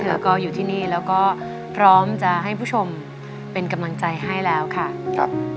แล้วก็อยู่ที่นี่แล้วก็พร้อมจะให้ผู้ชมเป็นกำลังใจให้แล้วค่ะครับ